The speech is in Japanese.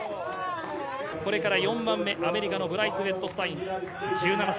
これから４番目、アメリカのブライス・ウェットスタイン、１７歳。